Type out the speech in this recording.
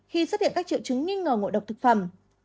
khi xuất hiện các triệu chứng nghi ngờ ngộ độc thực phẩm